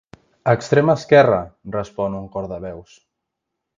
Extrem esquerre! —respon un cor de veus.